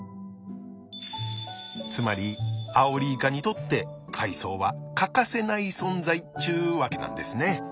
つまりアオリイカにとって海藻は欠かせない存在っちゅうわけなんですね。